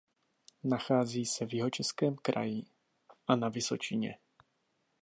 Nachází se v Jihočeském kraji a na Vysočině.